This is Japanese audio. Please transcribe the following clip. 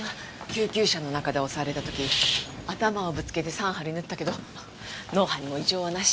救急車の中で襲われた時頭をぶつけて３針縫ったけど脳波にも異常はなし。